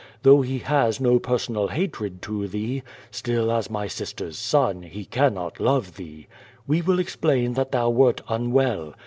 Though he has no personal hatred to thee, still as my sister's son, he cannot love thee. We will explain that thou wert unwell.